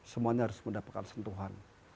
semuanya harus mendapatkan sentuhan